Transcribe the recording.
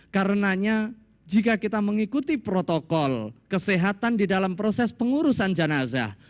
karenanya jika kita mengikuti protokol kesehatan di dalam proses pengurusan jenazah